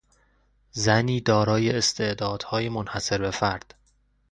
زنی دارای استعدادهای منحصر بفرد